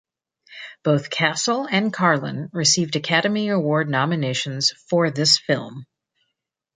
Both Cassel and Carlin received Academy Award nominations for this film.